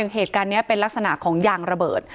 เหตุการณ์จะหลักษณะของยางระเบิด